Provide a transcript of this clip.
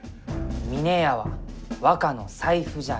「峰屋は若の財布じゃない」。